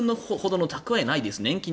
２０年ほどの貯えないです。